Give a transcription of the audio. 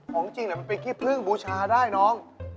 ของจริงมันเป็นขี้พึ่งบูชาได้น้อง